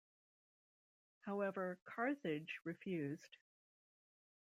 However, Carthage refused.